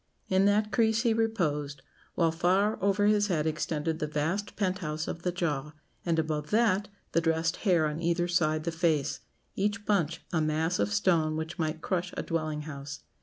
In that crease he reposed, while far over his head extended the vast pent house of the jaw; and above that, the dressed hair on either side the face each bunch a mass of stone which might crush a dwelling house.